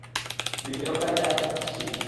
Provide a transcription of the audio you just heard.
বিনিয়োগকারীরা খুব খুশি।